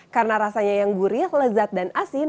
karena rasanya yang gurih lezat dan asin